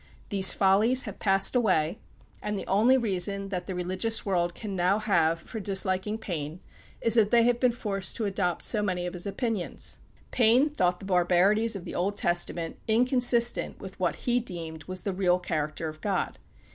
These follies have passed away, and the only reason that the religious world can now have for disliking Paine is that they have been forced to adopt so many of his opinions. Paine thought the barbarities of the Old Testament inconsistent with what he deemed the real character of God.